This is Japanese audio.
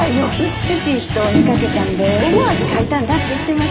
美しい人を見かけたんで思わず描いたんだって言ってました。